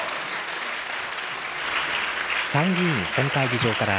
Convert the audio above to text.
参議院本会議場から、